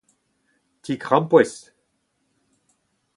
ti-krampouezh